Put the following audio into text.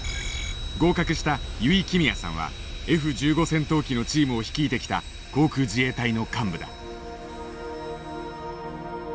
合格した油井亀美也さんはＦ１５戦闘機のチームを率いてきた航空自衛隊の幹部だ。